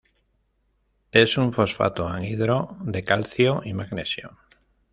Es un fosfato anhidro de calcio y magnesio.